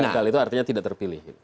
jengkal itu artinya tidak terpilih